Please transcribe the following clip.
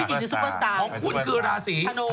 ของคุณคือราศี